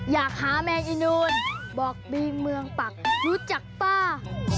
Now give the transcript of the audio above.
อยากหาแมงอีนูนบอกมีเมืองปักรู้จักป้า